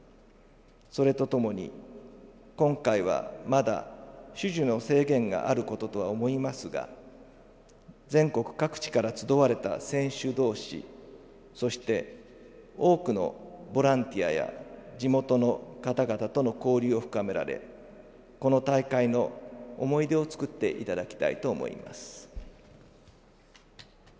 それとともに、今回はまだ種々の制限があることとは思いますが全国各地から集われた選手同士そして、多くのボランティアや地元の方々との交流を深められこの大会の思い出を作っていただきたいと思います。